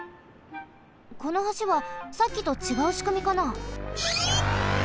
この橋はさっきとちがうしくみかな？